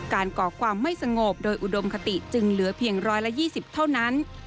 ก่อความไม่สงบโดยอุดมคติจึงเหลือเพียง๑๒๐เท่านั้น